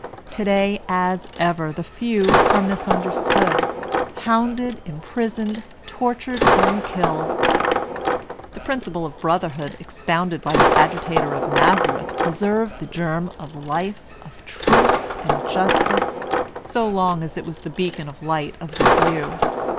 Today, as ever, the few are misunderstood, hounded, imprisoned, tortured, and killed. The principle of brotherhood expounded by the agitator of Nazareth preserved the germ of life, of truth and justice, so long as it was the beacon light of the few.